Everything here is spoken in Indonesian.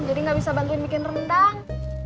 jadi gak bisa bantuin bikin rendang